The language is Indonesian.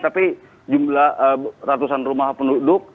tapi jumlah ratusan rumah penduduk